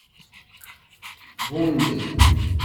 Bundel.